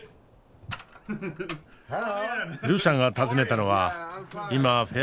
ルーさんが訪ねたのは今フェア